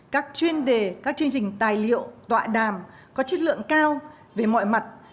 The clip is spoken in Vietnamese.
các chuyên đề các chương trình tài liệu tọa đàm có chất lượng cao về mọi mặt